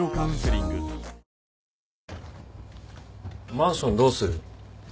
マンションどうする？